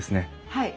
はい。